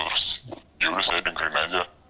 terus yaudah saya dengerin aja